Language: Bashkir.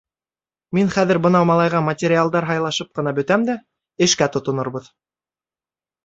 Мин хәҙер бынау малайға материалдар һайлашып ҡына бөтәм дә, эшкә тотонорбоҙ.